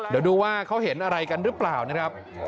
เดี๋ยวดูว่าเขาเห็นอะไรกันหรือเปล่านะครับ